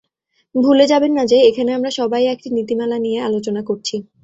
ভুলে যাবেন না যে এখানে আমরা সবাই একটি নীতিমালা নিয়ে আলোচনা করছি।